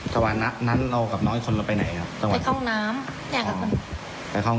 แต่สองคนนี้ก็คบกันมานานเนอะครับ